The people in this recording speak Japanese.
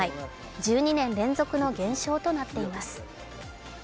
１２年連続の減少となっています。